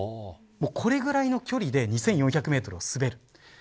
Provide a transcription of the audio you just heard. これぐらいの距離で２４００メートルを滑る。